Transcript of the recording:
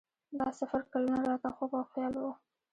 دا سفر کلونه راته خوب او خیال و.